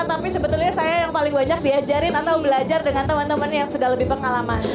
tapi sebetulnya saya yang paling banyak diajarin atau belajar dengan teman teman yang sudah lebih pengalaman